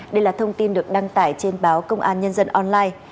đây là thông tin được đăng tải trên báo công an nhân dân online